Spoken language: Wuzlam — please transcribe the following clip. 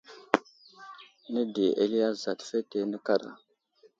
Nədi eli azat fetene kaɗa.